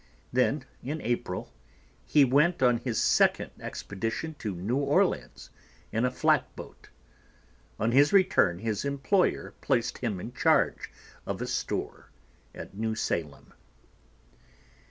Then, in April, he went on his second expedition to New Orleans in a flatboat. On his return his employer placed him in charge of a store at New Salem.